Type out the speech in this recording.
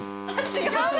違うの？